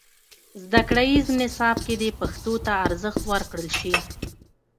زدهکړیز نصاب کې دې پښتو ته ارزښت ورکړل سي.